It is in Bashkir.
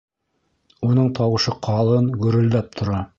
Уның тауышы ҡалын, гөрөлдәп тора.